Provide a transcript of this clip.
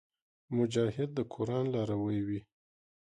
مجاهد د قران لاروي وي.